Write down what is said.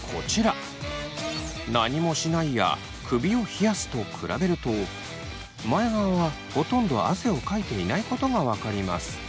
「何もしない」や「首を冷やす」と比べると前側はほとんど汗をかいていないことが分かります。